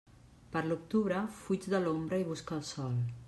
Per l'octubre fuig de l'ombra i busca el sol.